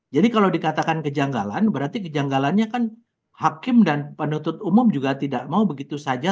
jadi kalau dikatakan kejanggalan berarti kejanggalannya kan hakim dan penuntut umum juga tidak mau begitu saja